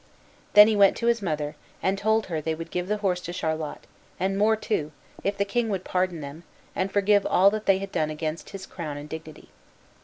Then he went to his mother, and told her they would give the horse to Charlot, and more, too, if the king would pardon them, and forgive all that they had done against his crown and dignity.